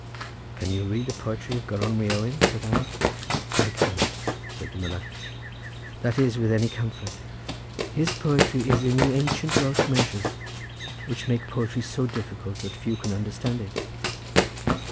"Can you read the poetry of Gronwy Owen?" said I. "I cannot," said the miller, "that is with any comfort; his poetry is in the ancient Welsh measures, which make poetry so difficult, that few can understand it."